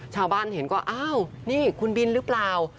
ชาวบ้านเห็นก็อ้าวนี่คุณบินหรือเปล่า